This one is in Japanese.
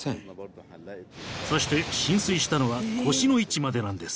そして浸水したのは腰の位置までなんです。